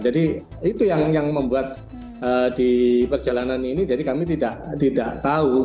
jadi itu yang membuat di perjalanan ini jadi kami tidak tahu